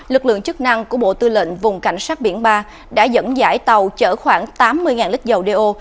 lực lượng chức năng của bộ tư lệnh vùng cảnh sát biển ba đã dẫn dãi tàu chở khoảng tám mươi lít dầu đeo